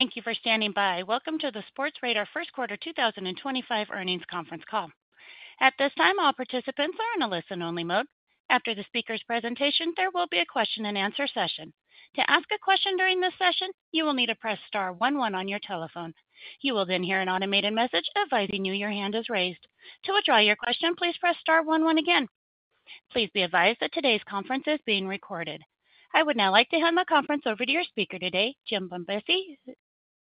Thank you for standing by. Welcome to the Sportradar First Quarter 2025 Earnings Conference Call. At this time, all participants are in a listen-only mode. After the speaker's presentation, there will be a question-and-answer session. To ask a question during this session, you will need to press star one one on your telephone. You will then hear an automated message advising you your hand is raised. To withdraw your question, please press star one one again. Please be advised that today's conference is being recorded. I would now like to hand the conference over to your speaker today, Jim Bombassei,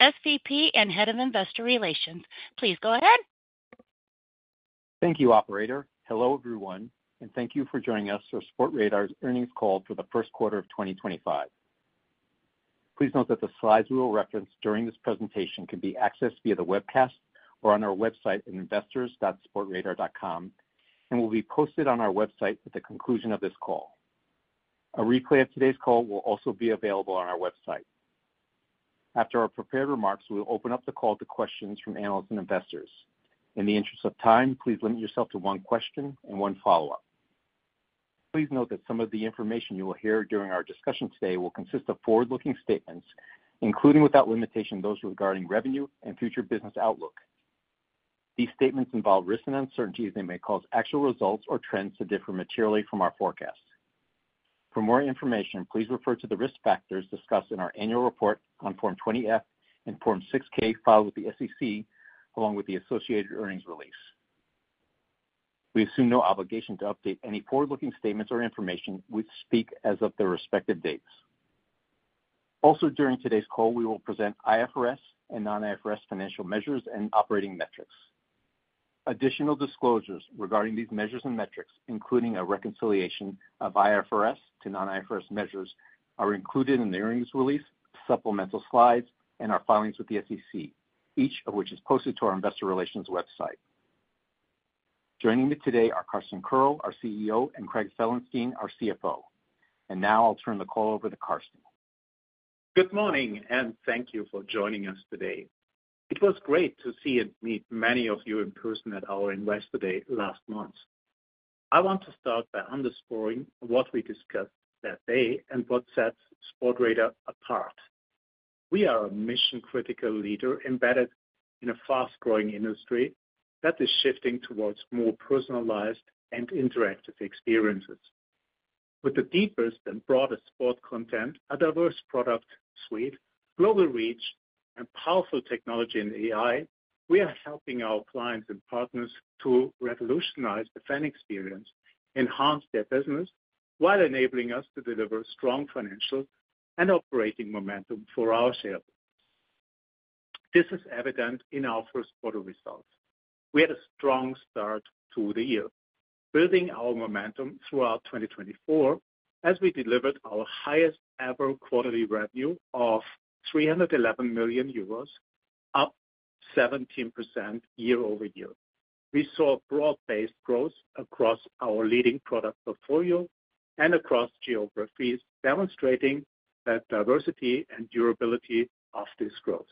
SVP and Head of Investor Relations. Please go ahead. Thank you, Operator. Hello, everyone, and thank you for joining us for Sportradar's Earnings Call for the First Quarter of 2025. Please note that the slides we will reference during this presentation can be accessed via the webcast or on our website at investors.sportradar.com and will be posted on our website at the conclusion of this call. A replay of today's call will also be available on our website. After our prepared remarks, we will open up the call to questions from analysts and investors. In the interest of time, please limit yourself to one question and one follow-up. Please note that some of the information you will hear during our discussion today will consist of forward-looking statements, including without limitation, those regarding revenue and future business outlook. These statements involve risks and uncertainties that may cause actual results or trends to differ materially from our forecasts. For more information, please refer to the risk factors discussed in our annual report on Form 20F and Form 6K filed with the SEC, along with the associated earnings release. We assume no obligation to update any forward-looking statements or information we speak as of the respective dates. Also, during today's call, we will present IFRS and non-IFRS financial measures and operating metrics. Additional disclosures regarding these measures and metrics, including a reconciliation of IFRS to non-IFRS measures, are included in the earnings release, supplemental slides, and our filings with the SEC, each of which is posted to our Investor Relations website. Joining me today are Carsten Koerl, our CEO, and Craig Felenstein, our CFO. I will now turn the call over to Carsten. Good morning, and thank you for joining us today. It was great to see and meet many of you in person at our investor day last month. I want to start by underscoring what we discussed that day and what sets Sportradar apart. We are a mission-critical leader embedded in a fast-growing industry that is shifting towards more personalized and interactive experiences. With the deepest and broadest sport content, a diverse product suite, global reach, and powerful technology and AI, we are helping our clients and partners to revolutionize the fan experience, enhance their business, while enabling us to deliver strong financial and operating momentum for our share. This is evident in our first quarter results. We had a strong start to the year, building our momentum throughout 2024 as we delivered our highest-ever quarterly revenue of 311 million euros, up 17% year over year. We saw broad-based growth across our leading product portfolio and across geographies, demonstrating the diversity and durability of this growth.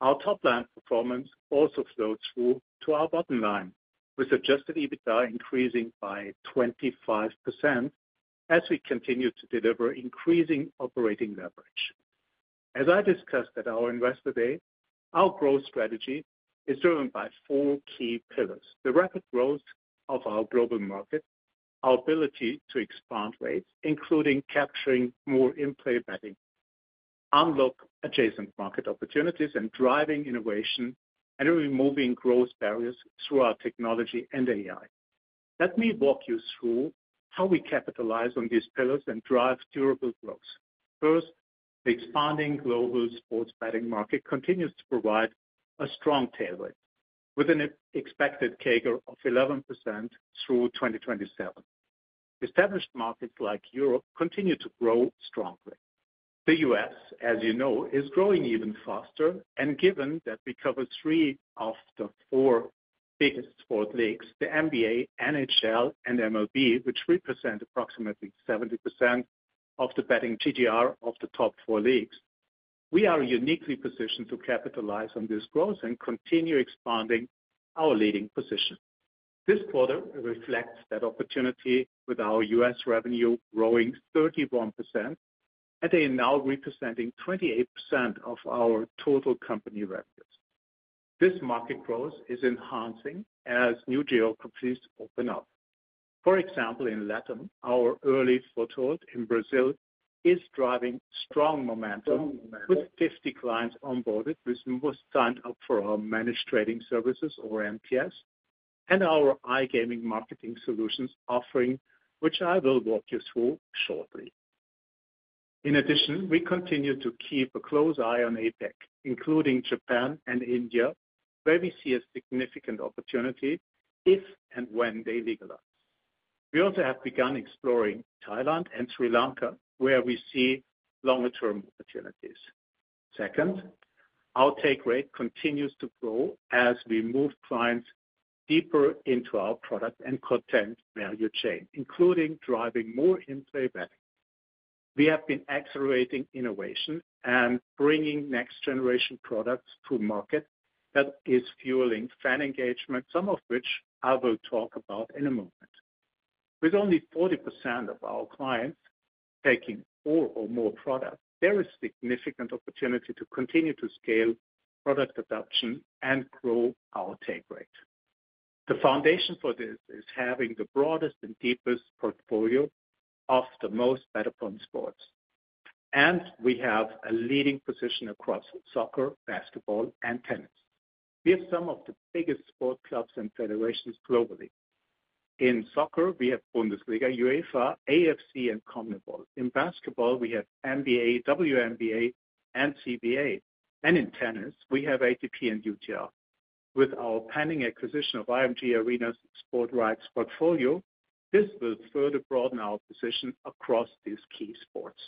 Our top-line performance also flowed through to our bottom line, with adjusted EBITDA increasing by 25% as we continue to deliver increasing operating leverage. As I discussed at our investor day, our growth strategy is driven by four key pillars: the rapid growth of our global market, our ability to expand rates, including capturing more in-play betting, unlock adjacent market opportunities, and driving innovation, and removing growth barriers through our technology and AI. Let me walk you through how we capitalize on these pillars and drive durable growth. First, the expanding global sports betting market continues to provide a strong tailwind, with an expected CAGR of 11% through 2027. Established markets like Europe continue to grow strongly. The U.S., as you know, is growing even faster, and given that we cover three of the four biggest sports leagues, the NBA, NHL, and MLB, which represent approximately 70% of the betting GGR of the top four leagues, we are uniquely positioned to capitalize on this growth and continue expanding our leading position. This quarter reflects that opportunity, with our U.S. revenue growing 31% and now representing 28% of our total company revenues. This market growth is enhancing as new geographies open up. For example, in Latam, our early foothold in Brazil is driving strong momentum, with 50 clients onboarded, which was signed up for our Managed Trading Services, or MTS, and our iGaming Marketing Solutions offering, which I will walk you through shortly. In addition, we continue to keep a close eye on APEC, including Japan and India, where we see a significant opportunity if and when they legalize. We also have begun exploring Thailand and Sri Lanka, where we see longer-term opportunities. Second, our take rate continues to grow as we move clients deeper into our product and content value chain, including driving more in-play betting. We have been accelerating innovation and bringing next generation products to market that is fueling fan engagement, some of which I will talk about in a moment. With only 40% of our clients taking four or more products, there is significant opportunity to continue to scale product adoption and grow our take rate. The foundation for this is having the broadest and deepest portfolio of the most bettor-friendly sports, and we have a leading position across soccer, basketball, and tennis. We have some of the biggest sports clubs and federations globally. In soccer, we have Bundesliga, UEFA, AFC, and CONMEBOL. In basketball, we have NBA, WNBA, and CBA, and in tennis, we have ATP and UTR. With our pending acquisition of IMG Arena's sport rights portfolio, this will further broaden our position across these key sports.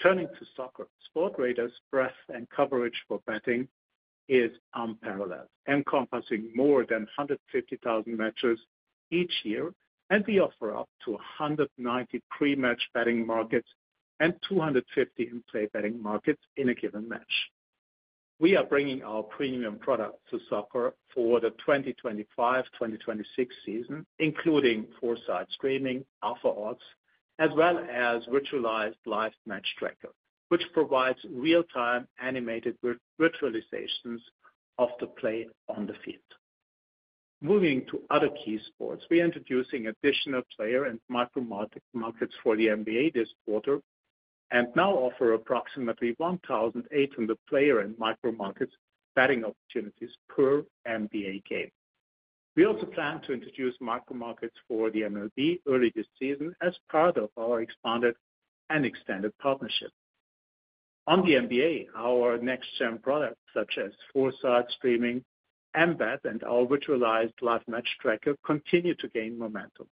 Turning to soccer, Sportradar's breadth and coverage for betting is unparalleled, encompassing more than 150,000 matches each year, and we offer up to 190 pre-match betting markets and 250 in-play betting markets in a given match. We are bringing our premium products to soccer for the 2025-2026 season, including Foresight Streaming, Alpha Odds, as well as Virtualized Live Match Tracker, which provides real-time animated virtualizations of the play on the field. Moving to other key sports, we are introducing additional player and micro markets for the NBA this quarter and now offer approximately 1,800 player and micro markets betting opportunities per NBA game. We also plan to introduce micro markets for the MLB early this season as part of our expanded and extended partnership. On the NBA, our next-gen products, such as Foresight Streaming, MBAT, and our Virtualized Live Match Tracker, continue to gain momentum.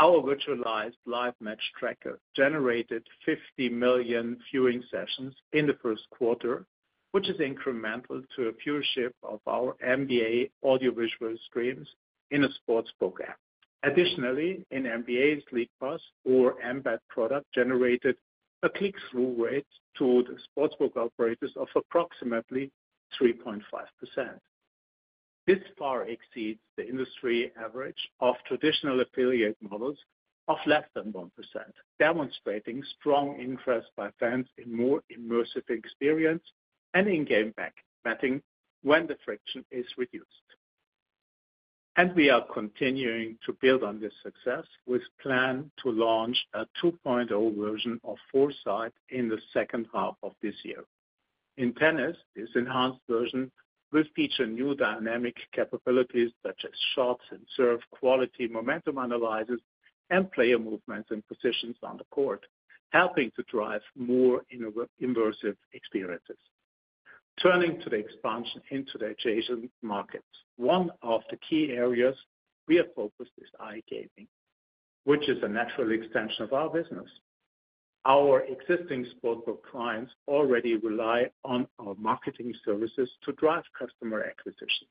Our Virtualized Live Match Tracker generated 50 million viewing sessions in the first quarter, which is incremental to a viewership of our NBA audio-visual streams in a sportsbook app. Additionally, an NBA's LeaguePass or MBAT product generated a click-through rate to the sportsbook operators of approximately 3.5%. This far exceeds the industry average of traditional affiliate models of less than 1%, demonstrating strong interest by fans in more immersive experience and in-game betting when the friction is reduced. We are continuing to build on this success with a plan to launch a 2.0 version of Foresight in the second half of this year. In tennis, this enhanced version will feature new dynamic capabilities such as shots and serve quality, momentum analyzers, and player movements and positions on the court, helping to drive more immersive experiences. Turning to the expansion into the adjacent markets, one of the key areas we have focused on is iGaming, which is a natural extension of our business. Our existing sportsbook clients already rely on our marketing services to drive customer acquisitions.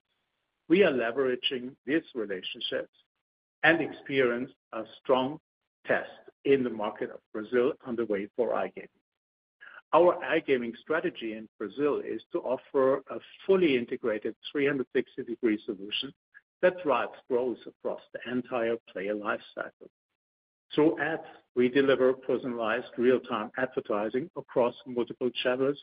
We are leveraging these relationships and experience a strong test in the market of Brazil underway for iGaming. Our iGaming strategy in Brazil is to offer a fully integrated 360 degree solution that drives growth across the entire player lifecycle. Through ads, we deliver personalized real-time advertising across multiple channels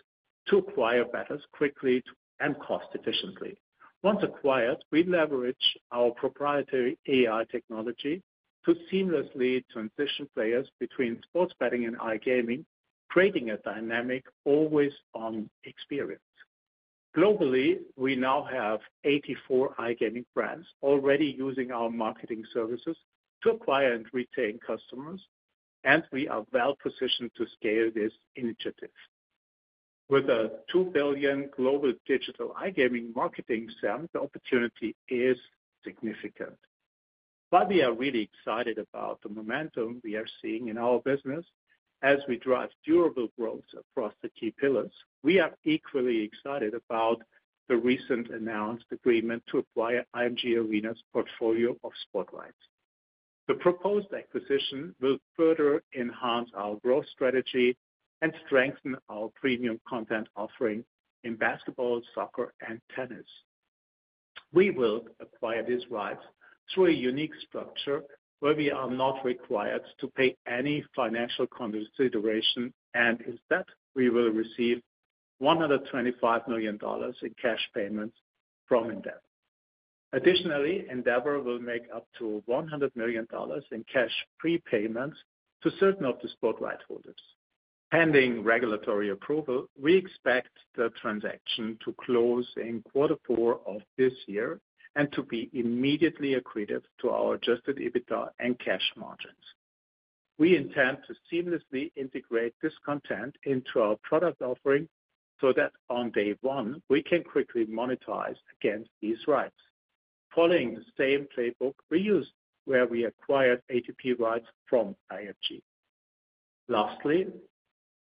to acquire bettors quickly and cost-efficiently. Once acquired, we leverage our proprietary AI technology to seamlessly transition players between sports betting and iGaming, creating a dynamic always-on experience. Globally, we now have 84 iGaming brands already using our marketing services to acquire and retain customers, and we are well-positioned to scale this initiative. With a $2 billion global digital iGaming marketing sum, the opportunity is significant. While we are really excited about the momentum we are seeing in our business as we drive durable growth across the key pillars, we are equally excited about the recently announced agreement to acquire IMG Arena's portfolio of sport rights. The proposed acquisition will further enhance our growth strategy and strengthen our premium content offering in basketball, soccer, and tennis. We will acquire these rights through a unique structure where we are not required to pay any financial consideration, and instead, we will receive $125 million in cash payments from Endeavor. Additionally, Endeavor will make up to $100 million in cash prepayments to certain of the sport rights holders. Pending regulatory approval, we expect the transaction to close in quarter four of this year and to be immediately accretive to our adjusted EBITDA and cash margins. We intend to seamlessly integrate this content into our product offering so that on day one, we can quickly monetize against these rights, following the same playbook we used where we acquired ATP rights from IMG. Lastly,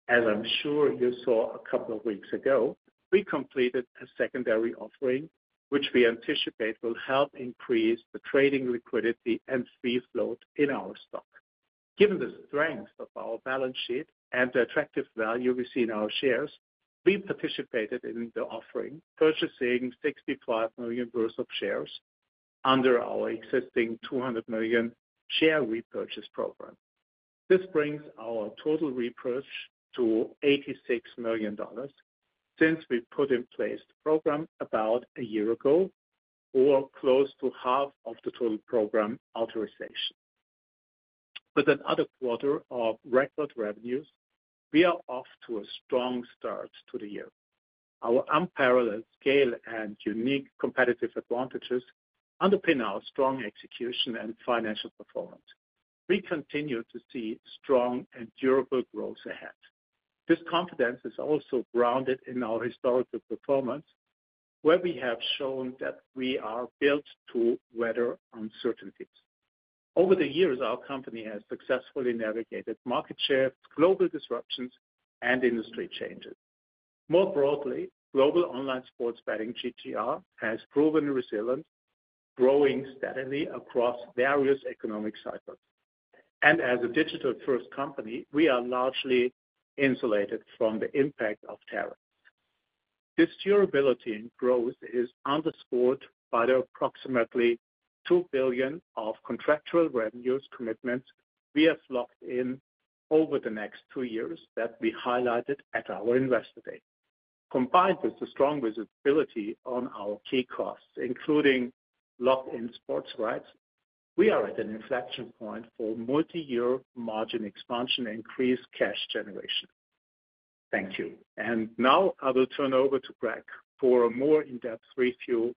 as I'm sure you saw a couple of weeks ago, we completed a secondary offering, which we anticipate will help increase the trading liquidity and free float in our stock. Given the strength of our balance sheet and the attractive value we see in our shares, we participated in the offering, purchasing $65 million worth of shares under our existing $200 million share repurchase program. This brings our total repurch to $86 million since we put in place the program about a year ago, or close to half of the total program authorization. With another quarter of record revenues, we are off to a strong start to the year. Our unparalleled scale and unique competitive advantages underpin our strong execution and financial performance. We continue to see strong and durable growth ahead. This confidence is also grounded in our historical performance, where we have shown that we are built to weather uncertainties. Over the years, our company has successfully navigated market shifts, global disruptions, and industry changes. More broadly, global online sports betting GGR has proven resilient, growing steadily across various economic cycles. As a digital-first company, we are largely insulated from the impact of tariffs. This durability and growth is underscored by the approximately $2 billion of contractual revenue commitments we have locked in over the next two years that we highlighted at our investor day. Combined with the strong visibility on our key costs, including locked-in sports rights, we are at an inflection point for multi-year margin expansion and increased cash generation. Thank you. Now I will turn over to Craig for a more in-depth review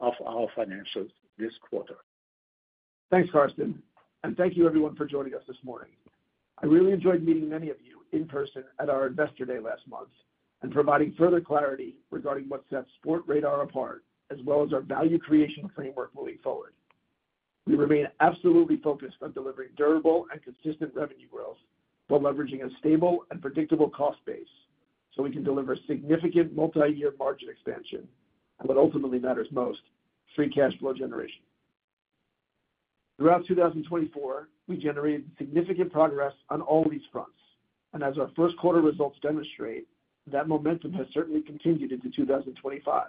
of our financials this quarter. Thanks, Carsten. Thank you, everyone, for joining us this morning. I really enjoyed meeting many of you in person at our investor day last month and providing further clarity regarding what sets Sportradar apart, as well as our value creation framework moving forward. We remain absolutely focused on delivering durable and consistent revenue growth while leveraging a stable and predictable cost base so we can deliver significant multi-year margin expansion and what ultimately matters most, free cash flow generation. Throughout 2024, we generated significant progress on all these fronts. As our first quarter results demonstrate, that momentum has certainly continued into 2025,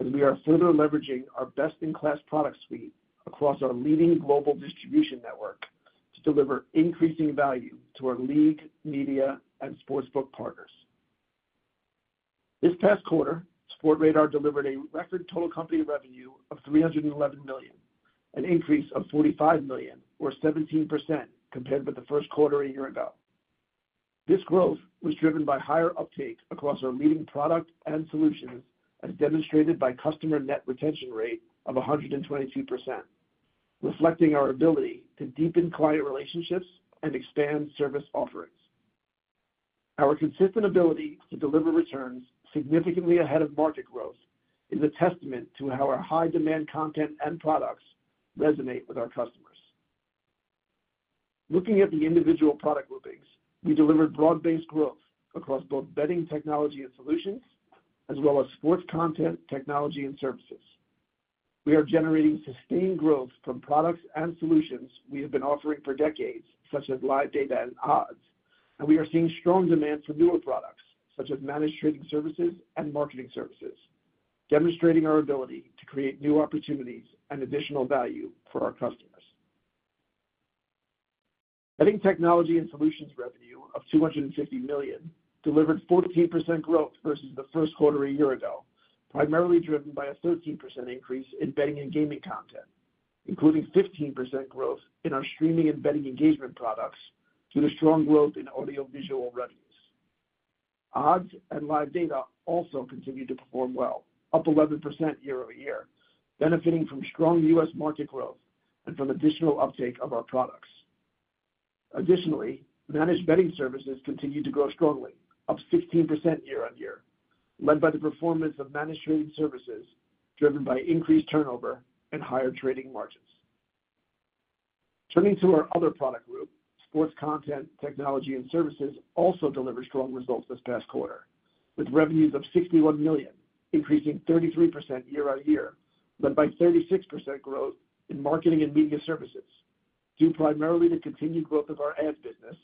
as we are further leveraging our best-in-class product suite across our leading global distribution network to deliver increasing value to our league, media, and sportsbook partners. This past quarter, Sportradar delivered a record total company revenue of $311 million, an increase of $45 million, or 17%, compared with the first quarter a year ago. This growth was driven by higher uptake across our leading product and solutions, as demonstrated by a customer net retention rate of 122%, reflecting our ability to deepen client relationships and expand service offerings. Our consistent ability to deliver returns significantly ahead of market growth is a testament to how our high-demand content and products resonate with our customers. Looking at the individual product groupings, we delivered broad-based growth across both betting technology and solutions, as well as sports content technology and services. We are generating sustained growth from products and solutions we have been offering for decades, such as live data and odds, and we are seeing strong demand for newer products, such as Managed Trading Services and marketing services, demonstrating our ability to create new opportunities and additional value for our customers. Betting technology and solutions revenue of $250 million delivered 14% growth versus the first quarter a year ago, primarily driven by a 13% increase in betting and gaming content, including 15% growth in our streaming and betting engagement products due to strong growth in audio-visual revenues. Odds and live data also continued to perform well, up 11% year over year, benefiting from strong U.S. market growth and from additional uptake of our products. Additionally, managed betting services continued to grow strongly, up 16% year on year, led by the performance of Managed Trading Services driven by increased turnover and higher trading margins. Turning to our other product group, sports content technology and services also delivered strong results this past quarter, with revenues of $61 million increasing 33% year on year, led by 36% growth in marketing and media services, due primarily to continued growth of our Ads Business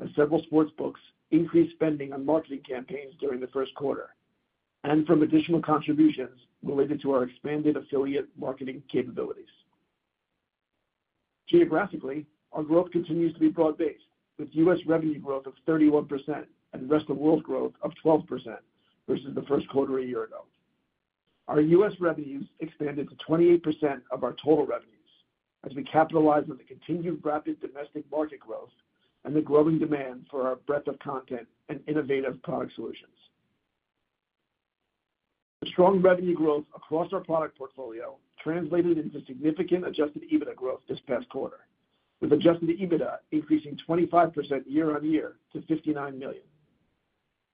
and several sportsbooks' increased spending on marketing campaigns during the first quarter, and from additional contributions related to our expanded affiliate marketing capabilities. Geographically, our growth continues to be broad-based, with U.S. revenue growth of 31% and rest-of-world growth of 12% versus the first quarter a year ago. Our U.S. Revenues expanded to 28% of our total revenues as we capitalized on the continued rapid domestic market growth and the growing demand for our breadth of content and innovative product solutions. The strong revenue growth across our product portfolio translated into significant adjusted EBITDA growth this past quarter, with adjusted EBITDA increasing 25% year on year to $59 million.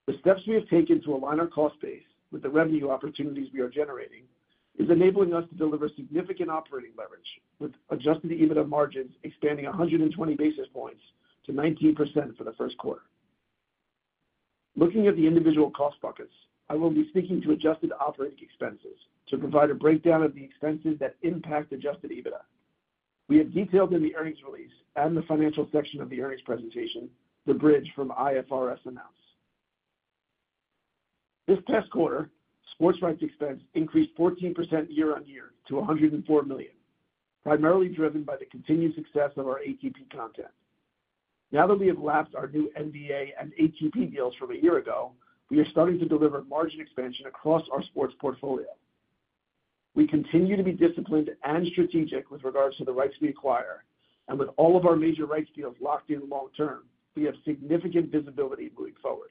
The steps we have taken to align our cost base with the revenue opportunities we are generating are enabling us to deliver significant operating leverage, with adjusted EBITDA margins expanding 120 basis points to 19% for the first quarter. Looking at the individual cost buckets, I will be speaking to adjusted operating expenses to provide a breakdown of the expenses that impact adjusted EBITDA. We have detailed in the earnings release and the financial section of the earnings presentation the bridge from IFRS announced. This past quarter, sports rights expense increased 14% year on year to $104 million, primarily driven by the continued success of our ATP content. Now that we have lapped our new NBA and ATP deals from a year ago, we are starting to deliver margin expansion across our sports portfolio. We continue to be disciplined and strategic with regards to the rights we acquire, and with all of our major rights deals locked in long-term, we have significant visibility moving forward.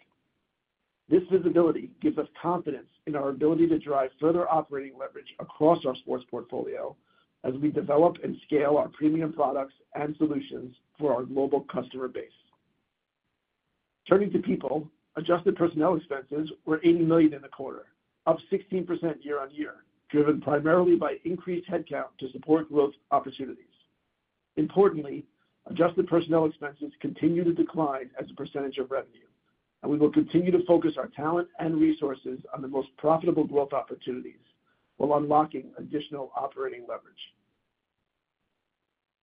This visibility gives us confidence in our ability to drive further operating leverage across our sports portfolio as we develop and scale our premium products and solutions for our global customer base. Turning to people, adjusted personnel expenses were $80 million in the quarter, up 16% year on year, driven primarily by increased headcount to support growth opportunities. Importantly, adjusted personnel expenses continue to decline as a percentage of revenue, and we will continue to focus our talent and resources on the most profitable growth opportunities while unlocking additional operating leverage.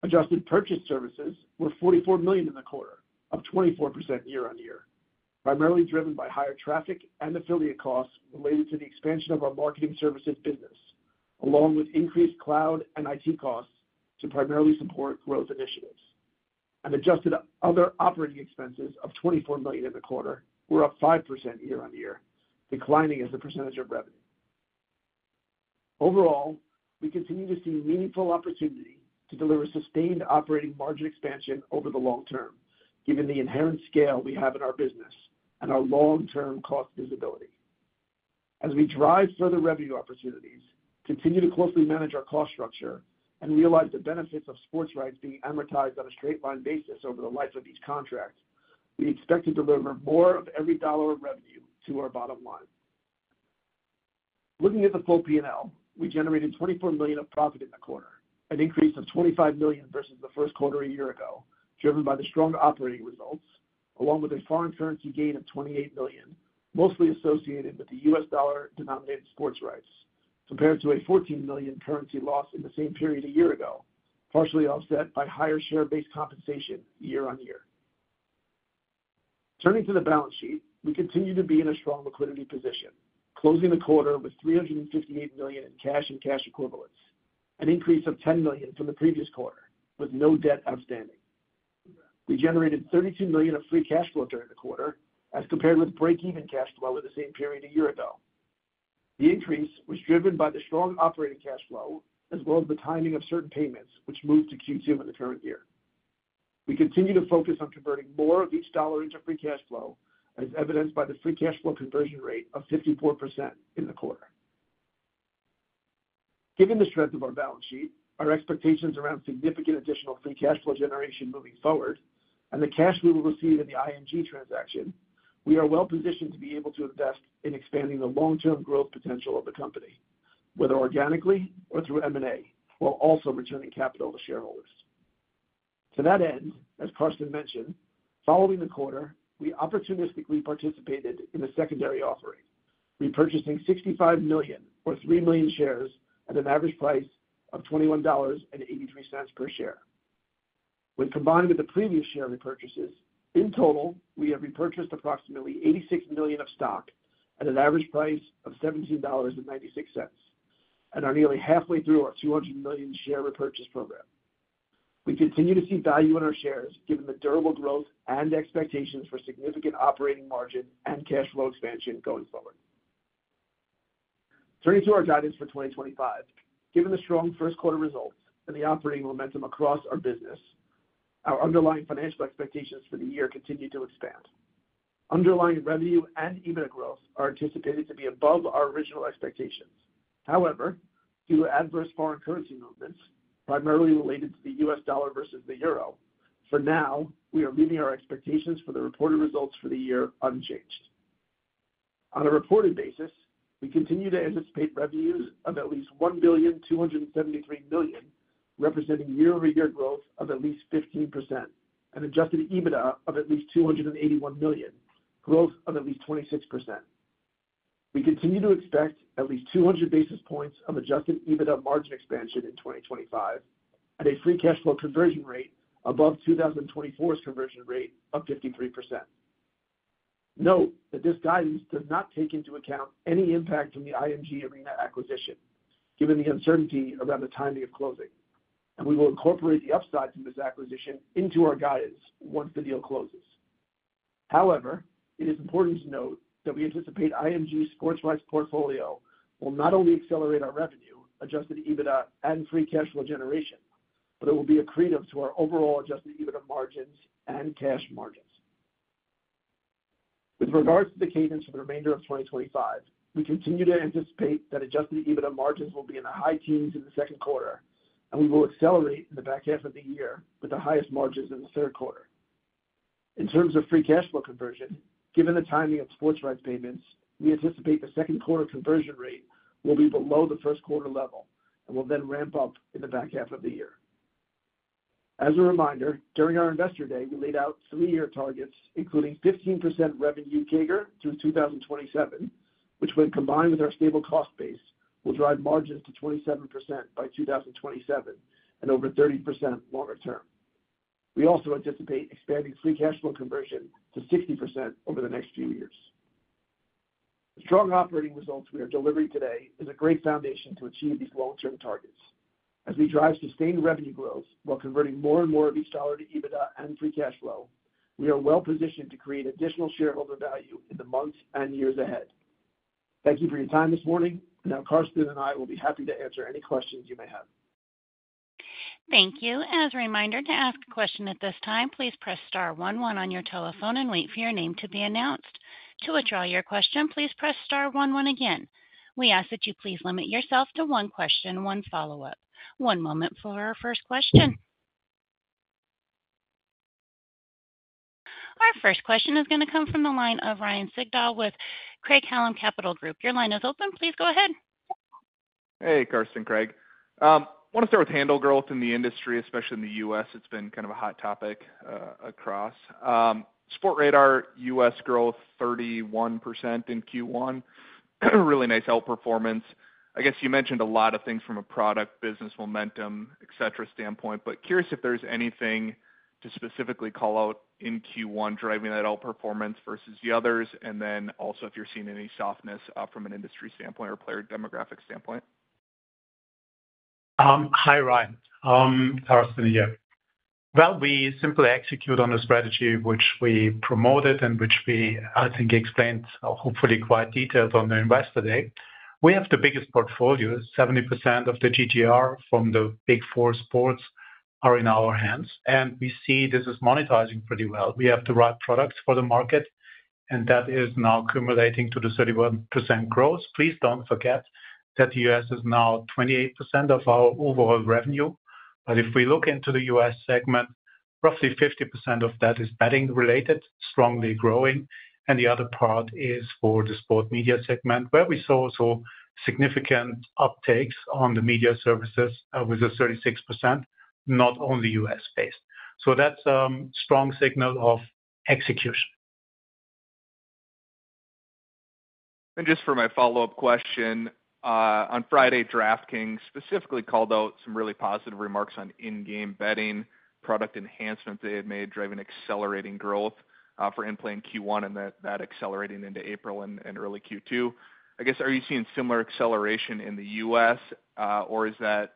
Adjusted purchase services were $44 million in the quarter, up 24% year on year, primarily driven by higher traffic and affiliate costs related to the expansion of our marketing services business, along with increased cloud and IT costs to primarily support growth initiatives. Adjusted other operating expenses of $24 million in the quarter were up 5% year on year, declining as a percentage of revenue. Overall, we continue to see meaningful opportunity to deliver sustained operating margin expansion over the long term, given the inherent scale we have in our business and our long-term cost visibility. As we drive further revenue opportunities, continue to closely manage our cost structure, and realize the benefits of sports rights being amortized on a straight-line basis over the life of each contract, we expect to deliver more of every dollar of revenue to our bottom line. Looking at the full P&L, we generated $24 million of profit in the quarter, an increase of $25 million versus the first quarter a year ago, driven by the strong operating results, along with a foreign currency gain of $28 million, mostly associated with the U.S. dollar-denominated sports rights, compared to a $14 million currency loss in the same period a year ago, partially offset by higher share-based compensation year on year. Turning to the balance sheet, we continue to be in a strong liquidity position, closing the quarter with $358 million in cash and cash equivalents, an increase of $10 million from the previous quarter, with no debt outstanding. We generated $32 million of free cash flow during the quarter, as compared with break-even cash flow in the same period a year ago. The increase was driven by the strong operating cash flow, as well as the timing of certain payments, which moved to Q2 of the current year. We continue to focus on converting more of each dollar into free cash flow, as evidenced by the free cash flow conversion rate of 54% in the quarter. Given the strength of our balance sheet, our expectations around significant additional free cash flow generation moving forward, and the cash we will receive in the IMG transaction, we are well-positioned to be able to invest in expanding the long-term growth potential of the company, whether organically or through M&A, while also returning capital to shareholders. To that end, as Carsten mentioned, following the quarter, we opportunistically participated in a secondary offering, repurchasing $65 million, or 3 million shares, at an average price of $21.83 per share. When combined with the previous share repurchases, in total, we have repurchased approximately $86 million of stock at an average price of $17.96, and are nearly halfway through our $200 million share repurchase program. We continue to see value in our shares, given the durable growth and expectations for significant operating margin and cash flow expansion going forward. Turning to our guidance for 2025, given the strong first quarter results and the operating momentum across our business, our underlying financial expectations for the year continue to expand. Underlying revenue and EBITDA growth are anticipated to be above our original expectations. However, due to adverse foreign currency movements, primarily related to the U.S. dollar versus the euro, for now, we are leaving our expectations for the reported results for the year unchanged. On a reported basis, we continue to anticipate revenues of at least $1,273 million, representing year-over-year growth of at least 15%, and adjusted EBITDA of at least $281 million, growth of at least 26%. We continue to expect at least 200 basis points of adjusted EBITDA margin expansion in 2025, and a free cash flow conversion rate above 2024's conversion rate of 53%. Note that this guidance does not take into account any impact from the IMG Arena acquisition, given the uncertainty around the timing of closing, and we will incorporate the upside from this acquisition into our guidance once the deal closes. However, it is important to note that we anticipate IMG Sportrad's portfolio will not only accelerate our revenue, adjusted EBITDA, and free cash flow generation, but it will be accretive to our overall adjusted EBITDA margins and cash margins. With regards to the cadence for the remainder of 2025, we continue to anticipate that adjusted EBITDA margins will be in the high teens in the second quarter, and we will accelerate in the back half of the year with the highest margins in the third quarter. In terms of free cash flow conversion, given the timing of Sportrad's payments, we anticipate the second quarter conversion rate will be below the first quarter level and will then ramp up in the back half of the year. As a reminder, during our investor day, we laid out three-year targets, including 15% revenue CAGR through 2027, which, when combined with our stable cost base, will drive margins to 27% by 2027 and over 30% longer term. We also anticipate expanding free cash flow conversion to 60% over the next few years. The strong operating results we are delivering today are a great foundation to achieve these long-term targets. As we drive sustained revenue growth while converting more and more of each dollar to EBITDA and free cash flow, we are well-positioned to create additional shareholder value in the months and years ahead. Thank you for your time this morning, and now Carsten and I will be happy to answer any questions you may have. Thank you. As a reminder, to ask a question at this time, please press star one one on your telephone and wait for your name to be announced. To withdraw your question, please press star one one again. We ask that you please limit yourself to one question, one follow-up. One moment for our first question. Our first question is going to come from the line of Ryan Sigdahl with Craig-Hallum Capital Group. Your line is open. Please go ahead. Hey, Carsten and Craig. I want to start with handle growth in the industry, especially in the U.S. It's been kind of a hot topic across. Sportradar, U.S. growth 31% in Q1. Really nice outperformance. I guess you mentioned a lot of things from a product, business momentum, etc., standpoint, but curious if there's anything to specifically call out in Q1 driving that outperformance versus the others, and then also if you're seeing any softness from an industry standpoint or player demographic standpoint. Hi, Ryan. Carsten here. We simply execute on a strategy which we promoted and which we, I think, explained hopefully quite detailed on the investor day. We have the biggest portfolio. 70% of the GGR from the big four sports are in our hands, and we see this is monetizing pretty well. We have the right products for the market, and that is now accumulating to the 31% growth. Please don't forget that the U.S. is now 28% of our overall revenue, but if we look into the U.S. segment, roughly 50% of that is betting related, strongly growing, and the other part is for the sport media segment, where we saw also significant uptakes on the media services with a 36%, not only U.S. based. That is a strong signal of execution. Just for my follow-up question, on Friday, DraftKings specifically called out some really positive remarks on in-game betting, product enhancements they had made driving accelerating growth for in-play in Q1, and that accelerating into April and early Q2. I guess, are you seeing similar acceleration in the U.S., or is that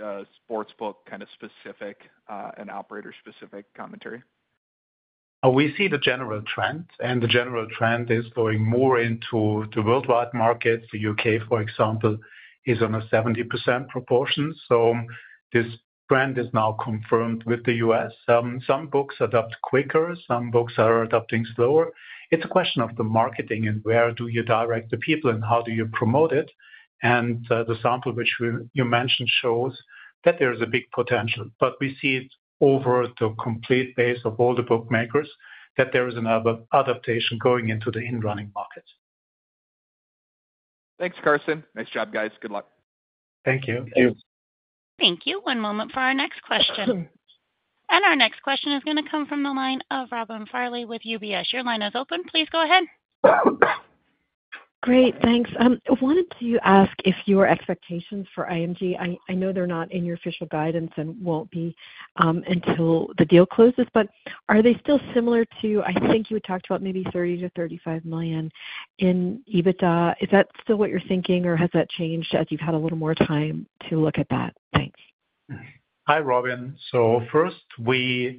a sportsbook kind of specific and operator-specific commentary? We see the general trend, and the general trend is going more into the worldwide markets. The U.K., for example, is on a 70% proportion, so this trend is now confirmed with the U.S. Some books adapt quicker; some books are adapting slower. It's a question of the marketing and where do you direct the people and how do you promote it. The sample which you mentioned shows that there is a big potential, but we see it over the complete base of all the bookmakers that there is an adaptation going into the in-running market. Thanks, Carsten. Nice job, guys. Good luck. Thank you. Thank you. Thank you. One moment for our next question. Our next question is going to come from the line of Robin Farley with UBS. Your line is open. Please go ahead. Great. Thanks. I wanted to ask if your expectations for IMG, I know they're not in your official guidance and won't be until the deal closes, but are they still similar to, I think you had talked about maybe $30-$35 million in EBITDA? Is that still what you're thinking, or has that changed as you've had a little more time to look at that? Thanks. Hi, Robin. First, we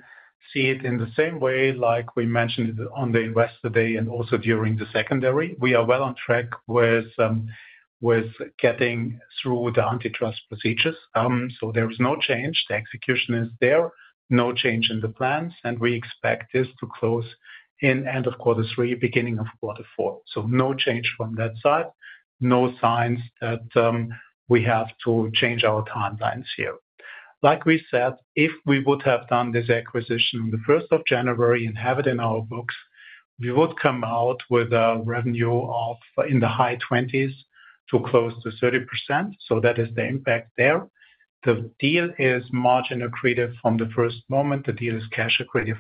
see it in the same way like we mentioned on the investor day and also during the secondary. We are well on track with getting through the antitrust procedures. There is no change. The execution is there. No change in the plans, and we expect this to close in end of quarter three, beginning of quarter four. No change from that side. No signs that we have to change our timelines here. Like we said, if we would have done this acquisition on the 1st of January and have it in our books, we would come out with a revenue of in the high 20% to close to 30%. That is the impact there. The deal is margin accretive from the first moment. The deal is cash accretive.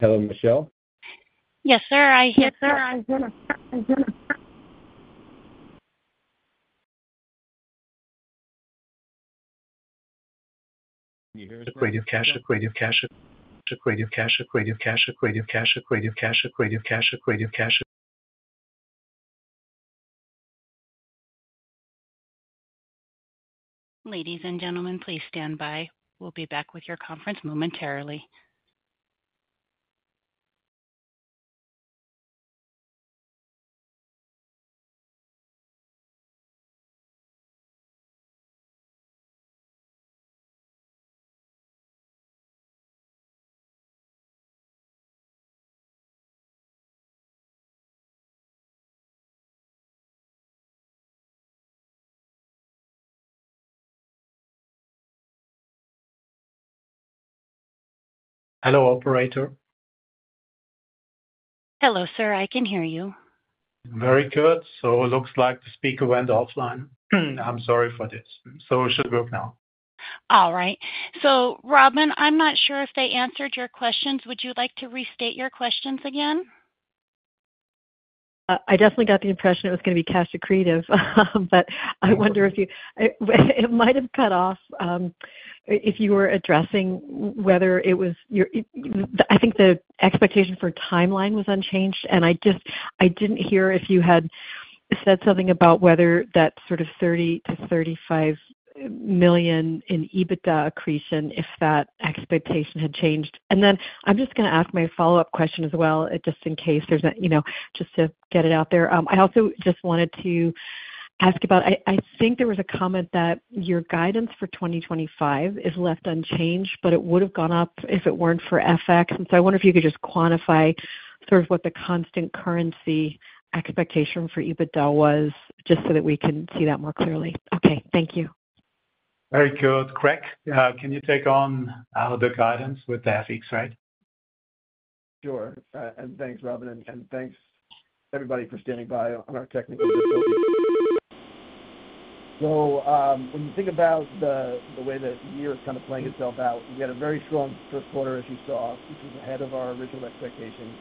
Hello, Michelle? Yes, sir. I hear you. Can you hear me? Ladies and gentlemen, please stand by. We'll be back with your conference momentarily. Hello, operator. Hello, sir. I can hear you. Very good. It looks like the speaker went offline. I'm sorry for this. It should work now. All right. Robin, I'm not sure if they answered your questions. Would you like to restate your questions again? I definitely got the impression it was going to be cash accretive, but I wonder if you—it might have cut off if you were addressing whether it was—I think the expectation for timeline was unchanged, and I didn't hear if you had said something about whether that sort of $30-$35 million in EBITDA accretion, if that expectation had changed. I'm just going to ask my follow-up question as well, just in case there's—just to get it out there. I also just wanted to ask about—I think there was a comment that your guidance for 2025 is left unchanged, but it would have gone up if it were not for FX. I wonder if you could just quantify sort of what the constant currency expectation for EBITDA was? Just so that we can see that more clearly. Okay. Thank you. Very good. Craig, can you take on the guidance with the FX rate? Sure. Thanks, Robin. Thanks, everybody, for standing by on our technical. When you think about the way that the year is kind of playing itself out, we had a very strong first quarter, as you saw, which was ahead of our original expectations.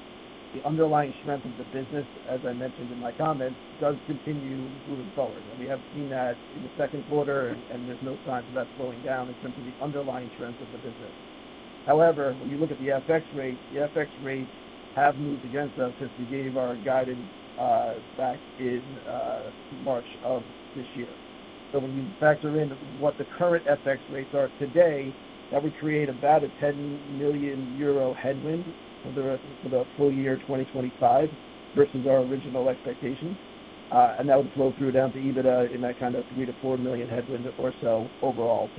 The underlying strength of the business, as I mentioned in my comments, does continue moving forward. We have seen that in the second quarter, and there's no signs of that slowing down in terms of the underlying strength of the business. However, when you look at the FX rate, the FX rates have moved against us since we gave our guidance back in March of this year. When you factor in what the current FX rates are today, that would create about 10 million euro headwind for the full year 2025 versus our original expectations, and that would flow through down to EBITDA in that kind of 3-4 million headwind or so overall.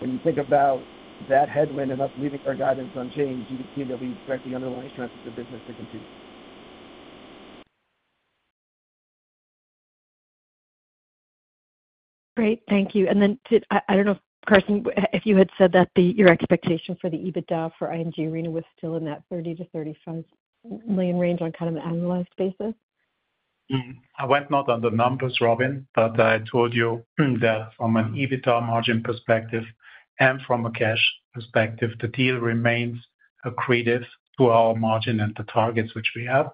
When you think about that headwind and us leaving our guidance unchanged, you can see that we expect the underlying strength of the business to continue. Great. Thank you. I do not know, Carsten, if you had said that your expectation for the EBITDA for IMG Arena was still in that $30-$35 million range on kind of an annualized basis? I went not on the numbers, Robin, but I told you that from an EBITDA margin perspective and from a cash perspective, the deal remains accretive to our margin and the targets which we have.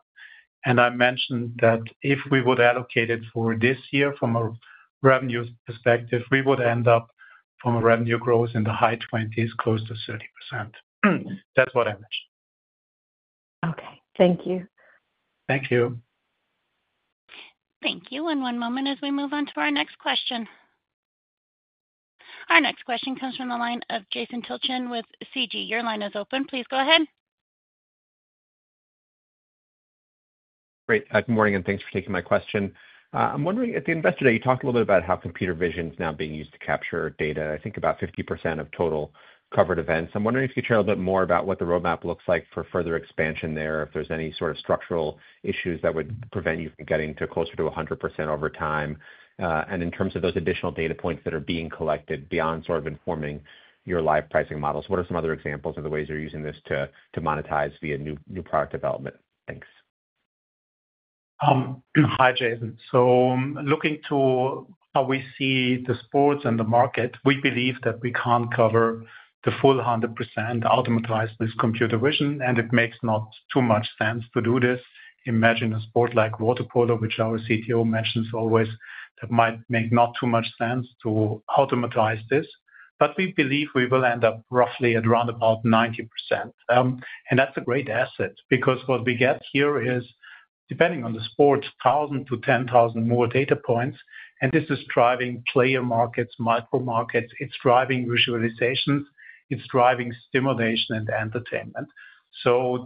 I mentioned that if we would allocate it for this year from a revenue perspective, we would end up from a revenue growth in the high 20s close to 30%. That is what I mentioned. Okay. Thank you. Thank you. Thank you. One moment as we move on to our next question. Our next question comes from the line of Jason Tilchin with CG. Your line is open. Please go ahead. Great. Good morning, and thanks for taking my question. I'm wondering, at the investor day, you talked a little bit about how computer vision is now being used to capture data. I think about 50% of total covered events. I'm wondering if you could share a little bit more about what the roadmap looks like for further expansion there, if there's any sort of structural issues that would prevent you from getting to closer to 100% over time? In terms of those additional data points that are being collected beyond sort of informing your live pricing models, what are some other examples of the ways you're using this to monetize via new product development? Thanks. Hi, Jason. Looking to how we see the sports and the market, we believe that we can't cover the full 100% automatized with computer vision, and it makes not too much sense to do this. Imagine a sport like water polo, which our CTO mentions always, that might make not too much sense to automatize this. We believe we will end up roughly at around about 90%. That's a great asset because what we get here is, depending on the sport, 1,000 to 10,000 more data points, and this is driving player markets, micro markets. It's driving visualizations. It's driving stimulation and entertainment.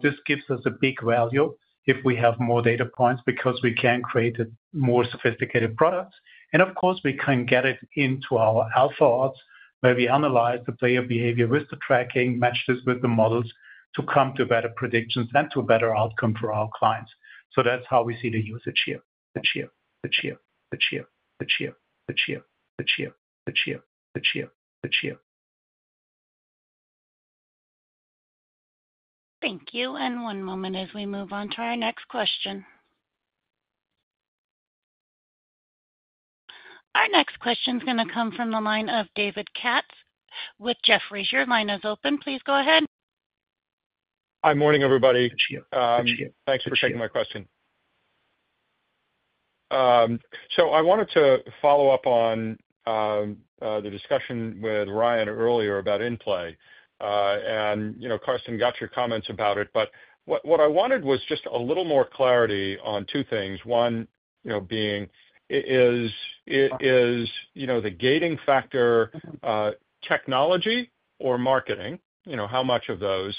This gives us a big value if we have more data points because we can create more sophisticated products. Of course, we can get it into our Alpha Odds, where we analyze the player behavior with the tracking, match this with the models to come to better predictions and to a better outcome for our clients. That's how we see the usage here. Thank you. One moment as we move on to our next question. Our next question is going to come from the line of David Katz with Jefferies. Your line is open. Please go ahead. Hi, morning, everybody. Thanks for taking my question. I wanted to follow up on the discussion with Ryan earlier about in-play. Carsten, got your comments about it, but what I wanted was just a little more clarity on two things. One being, is the gating factor technology or marketing, how much of those?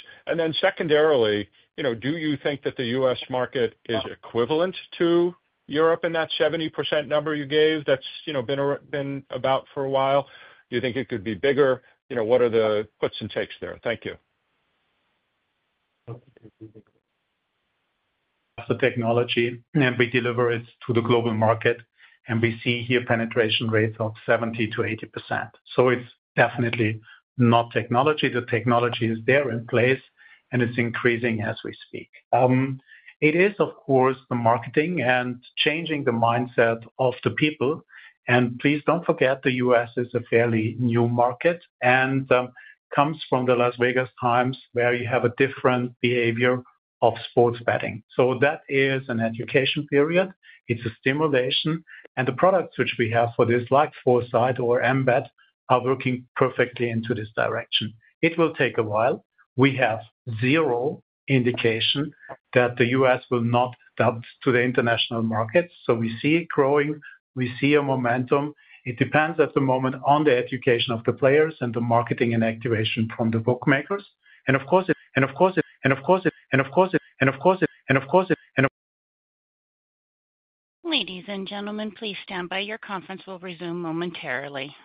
Secondarily, do you think that the U.S. market is equivalent to Europe in that 70% number you gave that's been about for a while? Do you think it could be bigger? What are the puts and takes there? Thank you. The technology, and we deliver it to the global market, and we see here penetration rates of 70-80%. It's definitely not technology. The technology is there in place, and it's increasing as we speak. It is, of course, the marketing and changing the mindset of the people. Please don't forget, the U.S. is a fairly new market and comes from the Las Vegas Times where you have a different behavior of sports betting. That is an education period. It's a stimulation. The products which we have for this, like Foresight or Embedded, are working perfectly into this direction. It will take a while. We have zero indication that the U.S. will not adapt to the international markets. We see it growing. We see a momentum. It depends at the moment on the education of the players and the marketing and activation from the bookmakers. Ladies and gentlemen, please stand by. Your conference will resume momentarily.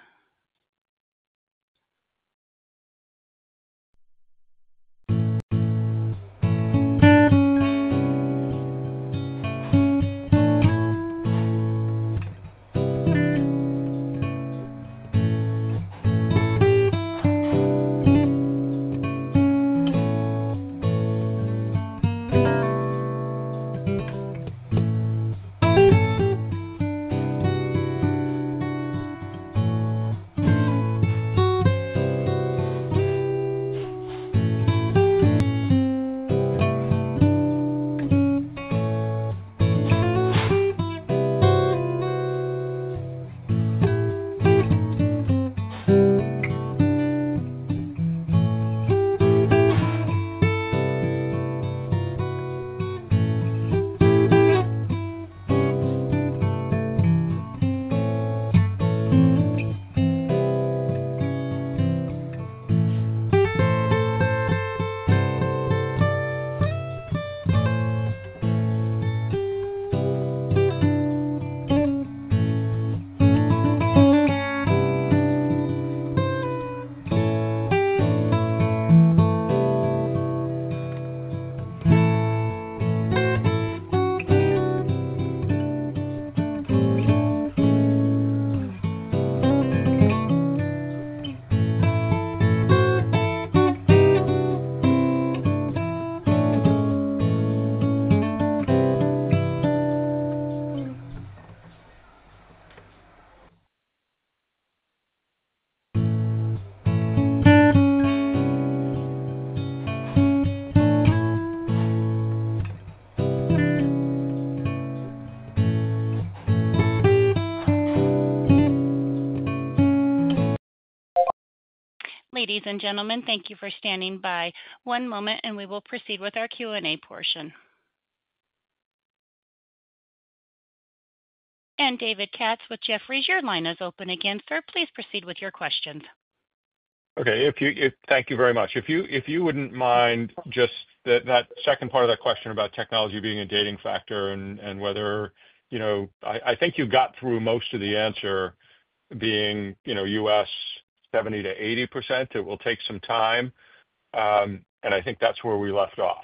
Ladies and gentlemen, thank you for standing by. One moment, and we will proceed with our Q&A portion. David Katz with Jefferies, your line is open again. Sir, please proceed with your questions. Okay.Thank you very much. If you would not mind just that second part of that question about technology being a gating factor and whether I think you got through most of the answer being U.S. 70-80%. It will take some time. I think that is where we left off.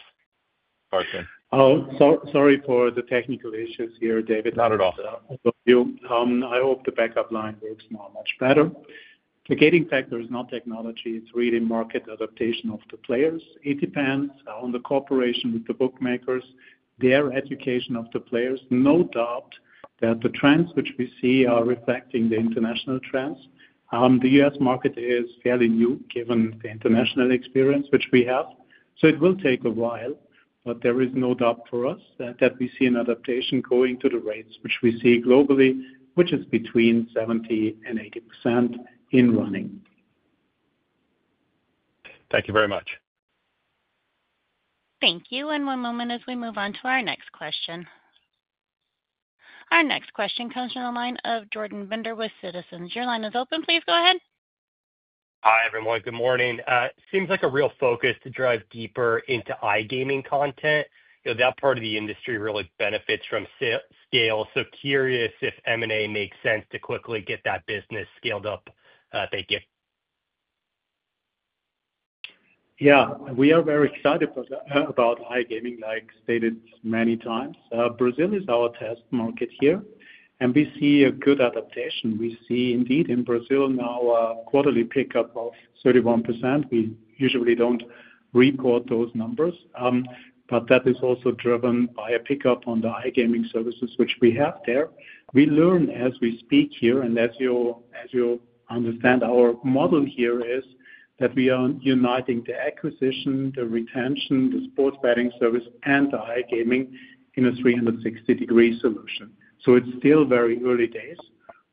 Sorry for the technical issues here, David. Not at all. I hope the backup line works now much better. The gating factor is not technology. It is reallmarketke adaptation of the players. It depends on the cooperation with the bookmakers, their education of the players. No doubt that the trends which we see are reflecting the international trends. The U.S. market is fairly new given the international experience which we have. It will take a while, but there is no doubt for us that we see an adaptation going to the rates which we see globally, which is between 70-80% in running. Thank you very much. Thank you. One moment as we move on to our next question. Our next question comes from the line of Jordan Bender with Citizens. Your line is open. Please go ahead. Hi, everyone. Good morning. Seems like a real focus to drive deeper into iGaming content. That part of the industry really benefits from scale. Curious if M&A makes sense to quickly get that business scaled up. Thank you. Yeah. We are very excited about iGaming, like stated many times. Brazil is our test market here, and we see a good adaptation. We see indeed in Brazil now a quarterly pickup of 31%. We usually do not report those numbers, but that is also driven by a pickup on the iGaming services which we have there. We learn as we speak here, and as you understand, our model here is that we are uniting the acquisition, the retention, the sports betting service, and the iGaming in a 360-degree solution. It is still very early days,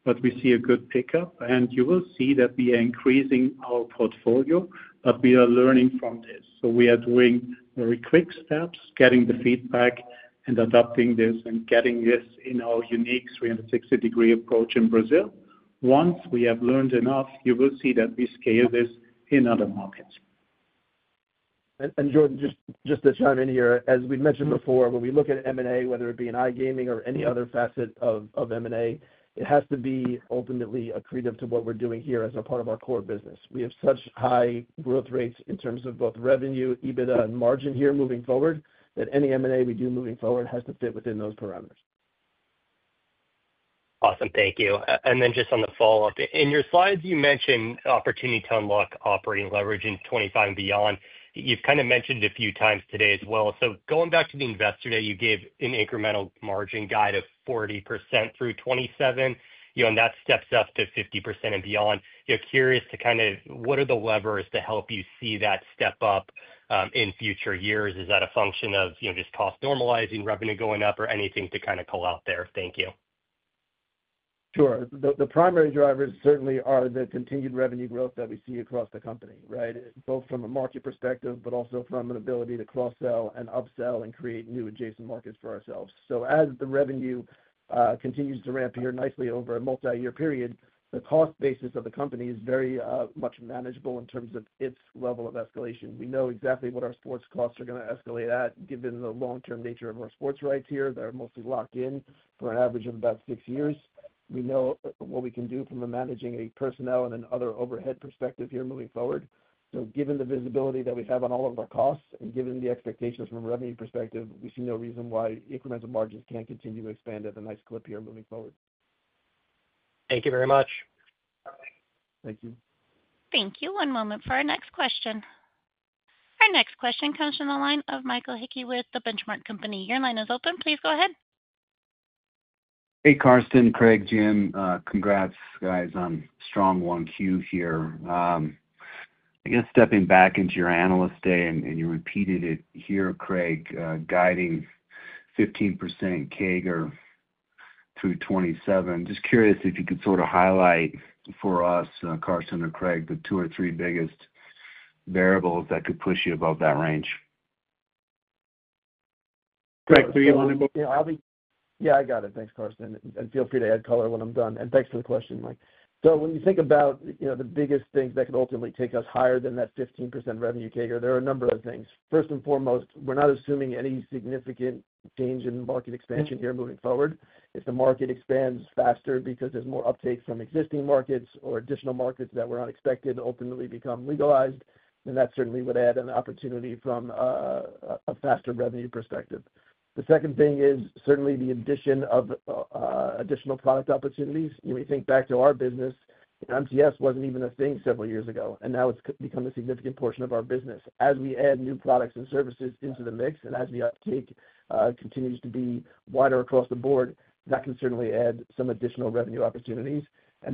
but we see a good pickup, and you will see that we are increasing our portfolio, but we are learning from this. We are doing very quick steps, getting the feedback, and adopting this and getting this in our unique 360-degree approach in Brazil. Once we have learned enough, you will see that we scale this in other markets. Jordan, just to chime in here, as we mentioned before, when we look at M&A, whether it be in iGaming or any other facet of M&A, it has to be ultimately accretive to what we're doing here as a part of our core business. We have such high growth rates in terms of both revenue, EBITDA, and margin here moving forward that any M&A we do moving forward has to fit within those parameters. Awesome. Thank you. On the follow-up, in your slides, you mentioned opportunity to unlock operating leverage in 2025 and beyond. You've kind of mentioned it a few times today as well. Going back to the investor day, you gave an incremental margin guide of 40% through 2027, and that steps up to 50% and beyond. Curious to kind of what are the levers to help you see that step up in future years? Is that a function of just cost normalizing, revenue going up, or anything to kind of call out there? Thank you. Sure. The primary drivers certainly are the continued revenue growth that we see across the company, right? Both from a market perspective, but also from an ability to cross-sell and upsell and create new adjacent markets for ourselves. As the revenue continues to ramp here nicely over a multi-year period, the cost basis of the company is very much manageable in terms of its level of escalation. We know exactly what our sports costs are going to escalate at given the long-term nature of our sports rights here. They're mostly locked in for an average of about six years. We know what we can do from managing a personnel and another overhead perspective here moving forward. Given the visibility that we have on all of our costs and given the expectations from a revenue perspective, we see no reason why incremental margins can't continue to expand at a nice clip here moving forward. Thank you very much. Thank you. Thank you. One moment for our next question. Our next question comes from the line of Mke Hickey with the Benchmark Company. Your line is open. Please go ahead. Hey, Carsten, Craig, Jim. Congrats, guys, on strong one Q here. I guess stepping back into your analyst day, and you repeated it here, Craig, guiding 15% CAGR through 2027. Just curious if you could sort of highlight for us, Carsten or Craig, the two or three biggest variables that could push you above that range? Craig, do you want to? Yeah, I got it. Thanks, Carsten. Feel free to add color when I'm done. Thanks for the question. When you think about the biggest things that could ultimately take us higher than that 15% revenue CAGR, there are a number of things. First and foremost, we're not assuming any significant change in market expansion here moving forward. If the market expands faster because there's more uptake from existing markets or additional markets that were unexpected to ultimately become legalized, that certainly would add an opportunity from a faster revenue perspective. The second thing is certainly the addition of additional product opportunities. When we think back to our business, MTS wasn't even a thing several years ago, and now it's become a significant portion of our business. As we add new products and services into the mix, and as the uptake continues to be wider across the board, that can certainly add some additional revenue opportunities.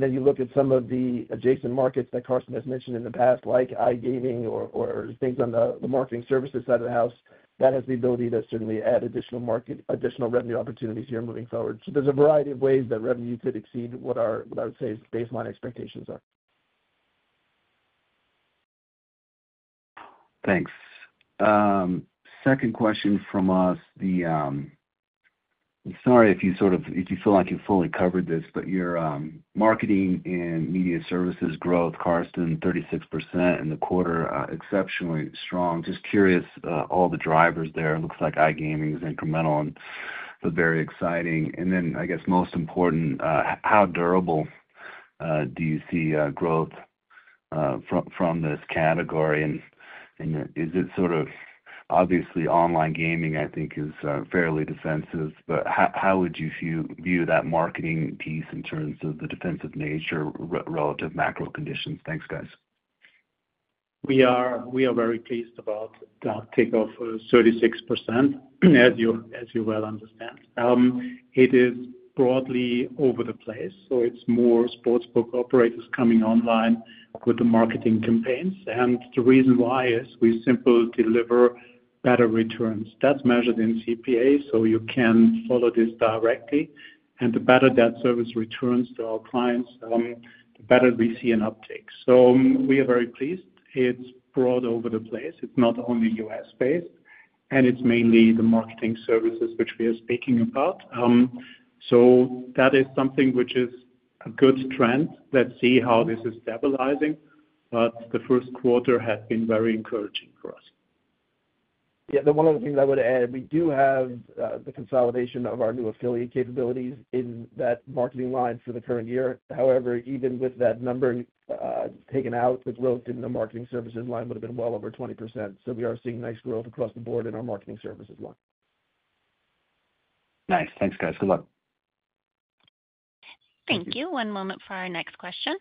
You look at some of the adjacent markets that Carsten has mentioned in the past, like iGaming or things on the marketing services side of the house, that has the ability to certainly add additional revenue opportunities here moving forward. There is a variety of ways that revenue could exceed what I would say is baseline expectations are. Thanks. Second question from us. Sorry if you feel like you fully covered this, but your marketing and media services growth, Carsten, 36% in the quarter, exceptionally strong. Just curious all the drivers there. It looks like iGaming is incremental and very exciting. I guess most important, how durable do you see growth from this category? Is it sort of obviously online gaming, I think, is fairly defensive, but how would you view that marketing piece in terms of the defensive nature relative to macro conditions? Thanks, guys. We are very pleased about that takeoff of 36%, as you well understand. It is broadly over the place. It is more sports book operators coming online with the marketing campaigns. The reason why is we simply deliver better returns. That is measured in CPA, so you can follow this directly. The better that service returns to our clients, the better we see an uptake. We are very pleased. It is broad over the place. It is not only U.S.-based, and it is mainly the marketing services which we are speaking about. That is something which is a good trend. Let's see how this is stabilizing. The first quarter has been very encouraging for us. Yeah. One of the things I would add, we do have the consolidation of our new affiliate capabilities in that marketing line for the current year. However, even with that number taken out, the growth in the marketing services line would have been well over 20%. We are seeing nice growth across the board in our marketing services line. Nice. Thanks, guys. Good luck. Thank you. One moment for our next question.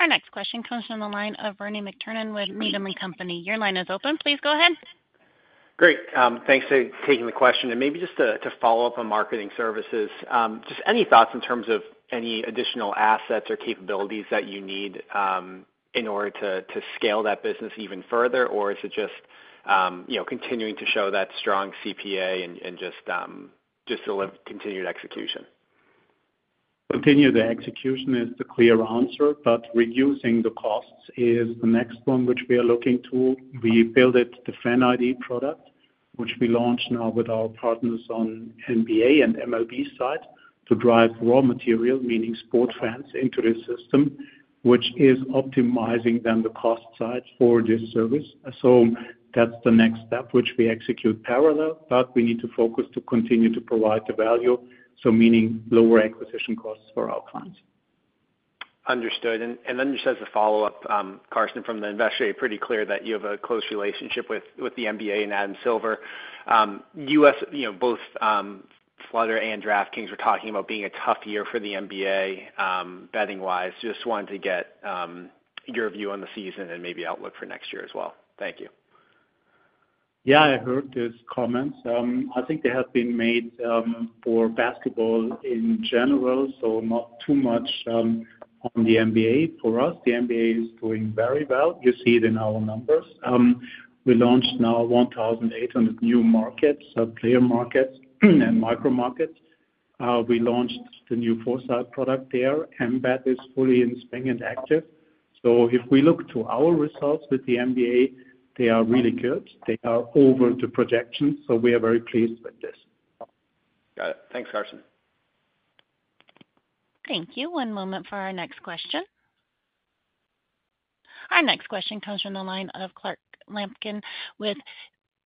Our next question comes from the line of Bernard McTernan with Needham & Company. Your line is open. Please go ahead. Great. Thanks for taking the question. Maybe just to follow up on marketing services, just any thoughts in terms of any additional assets or capabilities that you need in order to scale that business even further, or is it just continuing to show that strong CPA and just a continued execution? Continue the execution is the clear answer, but reducing the costs is the next one which we are looking to. We built the FanID product, which we launched now with our partners on NBA and MLB side to drive raw material, meaning sports fans, into this system, which is optimizing then the cost side for this service. That is the next step, which we execute parallel, but we need to focus to continue to provide the value, so meaning lower acquisition costs for our clients. Understood. Just as a follow-up, Carsten, from the investor day, pretty clear that you have a close relationship with the NBA and Adam Silver. U.S. both Flutter and DraftKings were talking about being a tough year for the NBA betting-wise. Just wanted to get your view on the season and maybe outlook for next year as well. Thank you. Yeah, I heard those comments. I think they have been made for basketball in general, so not too much on the NBA for us. The NBA is doing very well. You see it in our numbers. We launched now 1,800 new markets, player markets, and micro markets. We launched the new 4Sight product there. Embedded is fully in spring and active. If we look to our results with the NBA, they are really good. They are over the projections, so we are very pleased with this. Got it. Thanks, Carsten. Thank you. One moment for our next question. Our next question comes from the line of Clark Lampkin with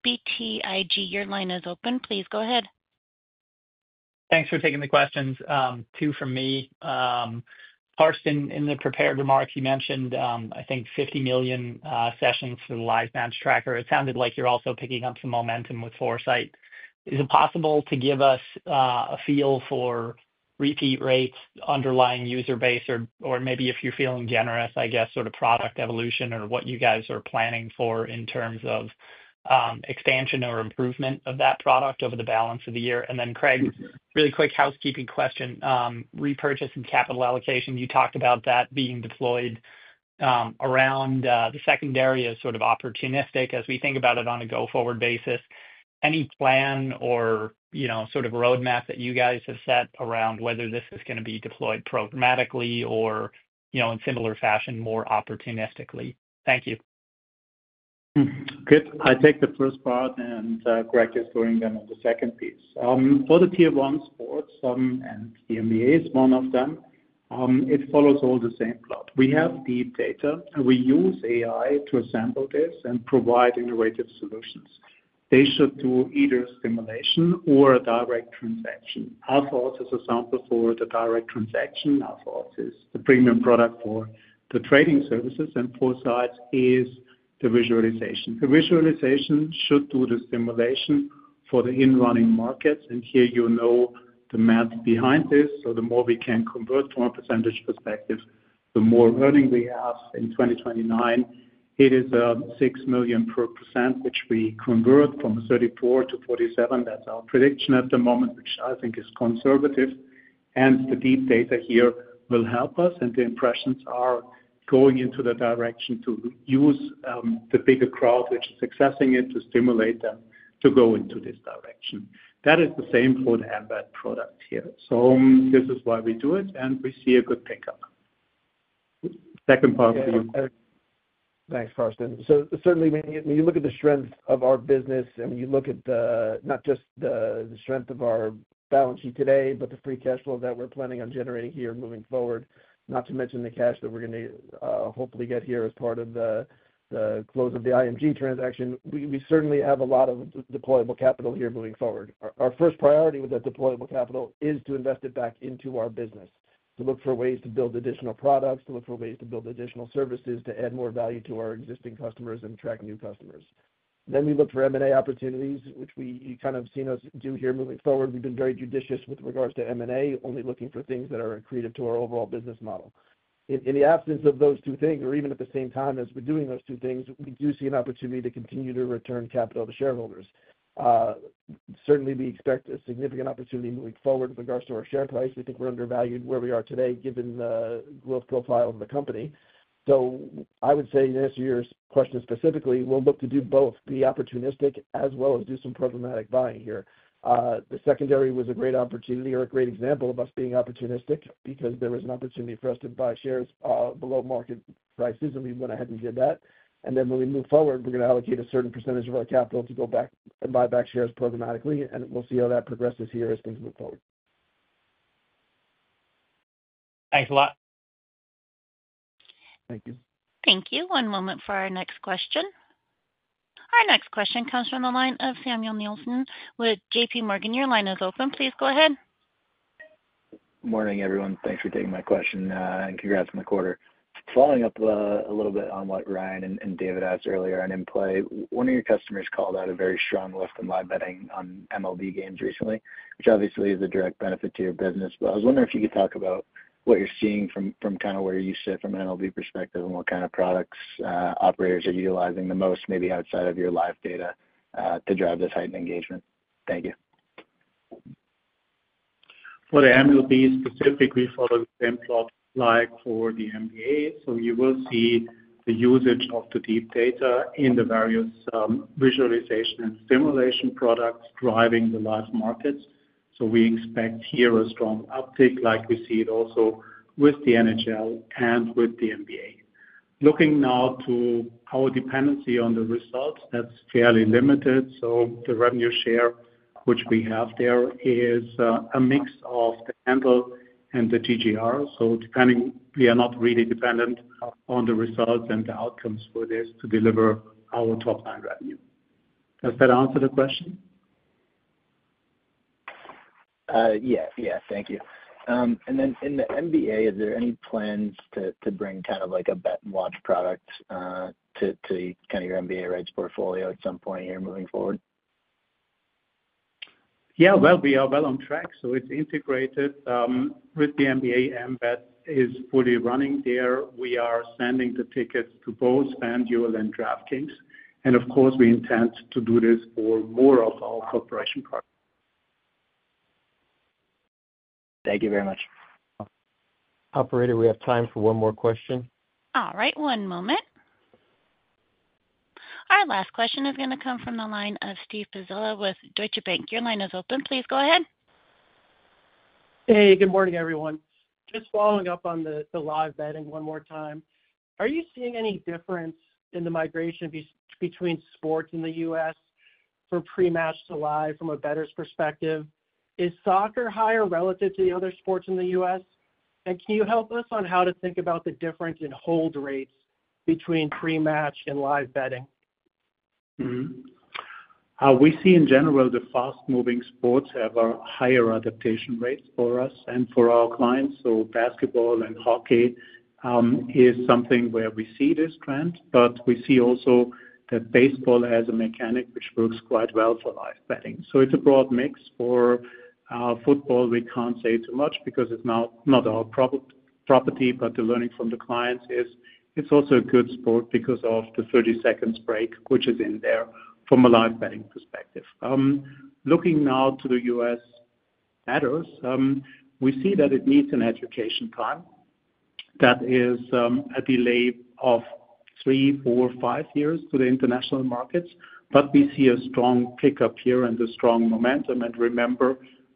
BTIG. Your line is open. Please go ahead. Thanks for taking the questions. Two from me. Carsten, in the prepared remarks, you mentioned, I think, 50 million sessions for the live match tracker. It sounded like you're also picking up some momentum with Foresight. Is it possible to give us a feel for repeat rates, underlying user base, or maybe if you're feeling generous, I guess, sort of product evolution or what you guys are planning for in terms of expansion or improvement of that product over the balance of the year? Then, Craig, really quick housekeeping question. Repurchase and capital allocation, you talked about that being deployed around the secondary as sort of opportunistic as we think about it on a go-forward basis. Any plan or sort of roadmap that you guys have set around whether this is going to be deployed programmatically or in similar fashion, more opportunistically? Thank you. Good. I take the first part, and Craig is going then on the second piece. For the tier-one sports, and the NBA is one of them, it follows all the same plot. We have deep data. We use AI to assemble this and provide innovative solutions. They should do either simulation or a direct transaction. Our thought is a sample for the direct transaction. Our thought is the premium product for the trading services and Foresight is the visualization. The visualization should do the simulation for the in-running markets. Here you know the math behind this. The more we can convert from a percentage perspective, the more earning we have in 2029. It is $6 million per % which we convert from 34% to 47%. That is our prediction at the moment, which I think is conservative. The deep data here will help us, and the impressions are going into the direction to use the bigger crowd which is accessing it to stimulate them to go into this direction. That is the same for the Embedded product here. This is why we do it, and we see a good pickup. Second part of the inquiry. Thanks, Carsten. Certainly, when you look at the strength of our business and you look at not just the strength of our balance sheet today, but the free cash flow that we're planning on generating here moving forward, not to mention the cash that we're going to hopefully get here as part of the close of the IMG transaction, we certainly have a lot of deployable capital here moving forward. Our first priority with that deployable capital is to invest it back into our business, to look for ways to build additional products, to look for ways to build additional services, to add more value to our existing customers and attract new customers. Then we look for M&A opportunities, which we kind of seen us do here moving forward. We've been very judicious with regards to M&A, only looking for things that are accretive to our overall business model. In the absence of those two things, or even at the same time as we're doing those two things, we do see an opportunity to continue to return capital to shareholders. Certainly, we expect a significant opportunity moving forward with regards to our share price. We think we're undervalued where we are today given the growth profile of the company. I would say to answer your question specifically, we'll look to do both, be opportunistic as well as do some programmatic buying here. The secondary was a great opportunity or a great example of us being opportunistic because there was an opportunity for us to buy shares below market prices, and we went ahead and did that. When we move forward, we're going to allocate a certain percentage of our capital to go back and buy back shares programmatically, and we'll see how that progresses here as things move forward. Thanks a lot. Thank you. Thank you. One moment for our next question. Our next question comes from the line of Samuel Nielsen with J.P. Morgan. Your line is open. Please go ahead. Morning, everyone. Thanks for taking my question and congrats on the quarter. Following up a little bit on what Ryan and David asked earlier on in play, one of your customers called out a very strong left-and-right betting on MLB games recently, which obviously is a direct benefit to your business. I was wondering if you could talk about what you're seeing from kind of where you sit from an MLB perspective and what kind of products operators are utilizing the most, maybe outside of your live data to drive this heightened engagement. Thank you. For the MLB, specifically for the same plot like for the NBA, you will see the usage of the deep data in the various visualization and simulation products driving the live markets. We expect here a strong uptake like we see it also with the NHL and with the NBA. Looking now to our dependency on the results, that's fairly limited. The revenue share which we have there is a mix of the handle and the GGR. Depending, we are not really dependent on the results and the outcomes for this to deliver our top-line revenue. Does that answer the question? Yeah. Yeah. Thank you. In the NBA, are there any plans to bring kind of like a Bet and Watch product to your NBA rights portfolio at some point here moving forward? We are well on track. It is integrated with the NBA. Embedded is fully running there. We are sending the tickets to both FanDuel and DraftKings. Of course, we intend to do this for more of our corporation partners. Thank you very much. Operator, we have time for one more question. All right. One moment. Our last question is going to come from the line of Steve Pezzullo with Deutsche Bank. Your line is open. Please go ahead. Hey, good morning, everyone. Just following up on the live betting one more time. Are you seeing any difference in the migration between sports in the U.S. for pre-match to live from a bettor perspective? Is soccer higher relative to the other sports in the U.S.? Can you help us on how to think about the difference in hold rates between pre-match and live betting? We see in general the fast-moving sports have a higher adaptation rate for us and for our clients. Basketball and hockey is something where we see this trend, but we see also that baseball has a mechanic which works quite well for live betting. It is a broad mix. For football, we can't say too much because it's not our property, but the learning from the clients is it's also a good sport because of the 30-second break which is in there from a live betting perspective. Looking now to the U.S. matters, we see that it needs an education time. That is a delay of three, four, five years to the international markets, but we see a strong pickup here and a strong momentum.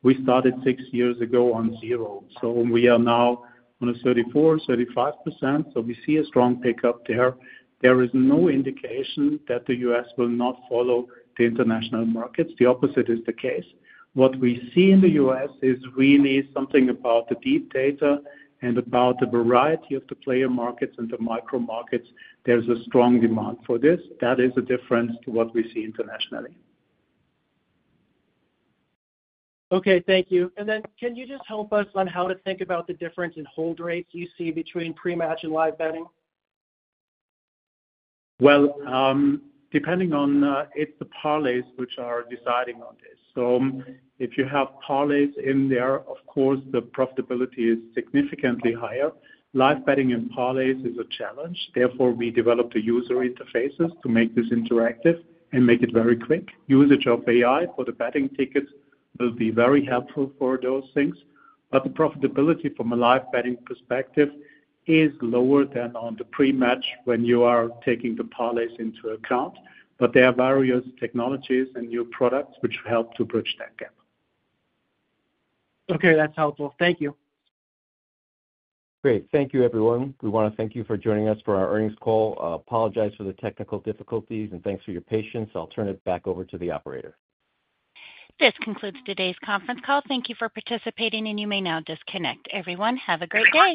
Remember, we started six years ago on zero. We are now on a 34-35%. We see a strong pickup there. There is no indication that the U.S. will not follow the international markets. The opposite is the case. What we see in the U.S. is really something about the deep data and about the variety of the player markets and the micro markets. There's a strong demand for this. That is a difference to what we see internationally. Okay. Thank you. Can you just help us on how to think about the difference in hold rates you see between pre-match and live betting? It is the parlays which are deciding on this. If you have parlays in there, of course, the profitability is significantly higher. Live betting and parlays is a challenge. Therefore, we developed the user interfaces to make this interactive and make it very quick. Usage of AI for the betting tickets will be very helpful for those things. The profitability from a live betting perspective is lower than on the pre-match when you are taking the parlays into account. There are various technologies and new products which help to bridge that gap. Okay. That's helpful. Thank you. Great. Thank you, everyone. We want to thank you for joining us for our earnings call. Apologize for the technical difficulties, and thanks for your patience. I'll turn it back over to the operator. This concludes today's conference call. Thank you for participating, and you may now disconnect. Everyone, have a great day.